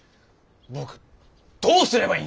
僕どうすればいいんすか⁉